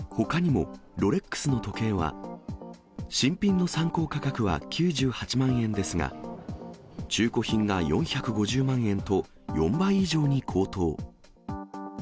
ほかにもＲＯＬＥＸの時計は、新品の参考価格は９８万円ですが、中古品が４５０万円と、４倍以上に高騰。